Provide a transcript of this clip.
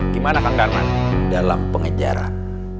gimana kang darman dalam pengejaran